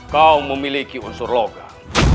kau memiliki unsur logak